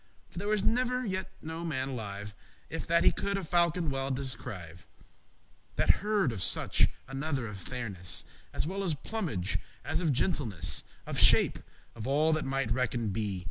For there was never yet no man alive, If that he could a falcon well descrive;* *describe That heard of such another of fairness As well of plumage, as of gentleness; Of shape, of all that mighte reckon'd be.